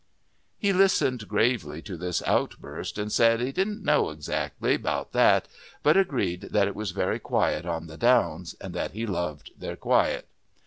He listened gravely to this outburst, and said he didn't know exactly 'bout that, but agreed that it was very quiet on the downs, and that he loved their quiet.